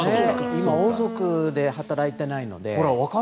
今、王族で働いていないので。